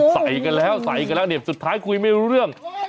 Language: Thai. ใส่กันแล้วใส่กันแล้วเนี่ยสุดท้ายคุยไม่รู้เรื่อง